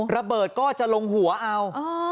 ระเบิดก็จะลงหัวเอา